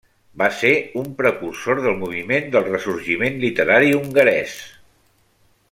Va ser un precursor del moviment del ressorgiment literari hongarès.